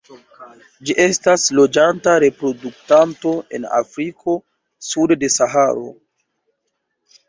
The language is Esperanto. Ĝi estas loĝanta reproduktanto en Afriko sude de Saharo.